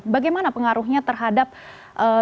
bagaimana pengaruhnya terhadap bbm dan solar